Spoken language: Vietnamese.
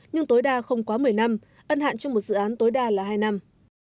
nhưng tối đa không quá một mươi năm ân hạn cho một dự án tối đa là hai năm